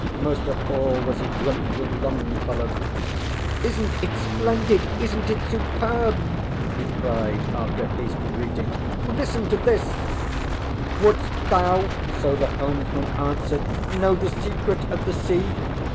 Most of all was he drunk with Longfellow. ŌĆ£IsnŌĆÖt it splendid? IsnŌĆÖt it superb? ŌĆØ he cried, after hasty greetings. ŌĆ£Listen to this ŌĆ£ŌĆśWouldst thou, ŌĆÖ so the helmsman answered, ŌĆśKnow the secret of the sea?